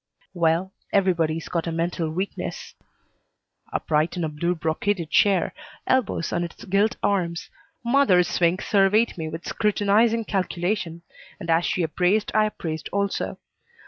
"Well, everybody's got a mental weakness." Upright in a blue brocaded chair, elbows on its gilt arms, mother Swink surveyed me with scrutinizing calculation, and as she appraised I appraised also.